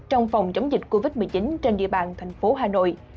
trong phòng chống dịch covid một mươi chín trên địa bàn thành phố hà nội